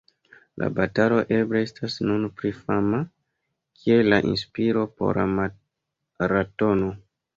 La batalo eble estas nun pli fama kiel la inspiro por la maratono.